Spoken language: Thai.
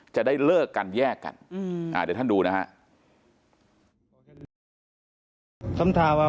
จะได้เลิกกันแยกกันเดี๋ยวท่านดูนะฮะ